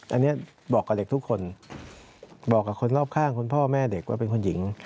อันนี้บอกกับเด็กทุกคนบอกกับคนรอบข้างคุณพ่อแม่เด็กว่าเป็นคนหญิง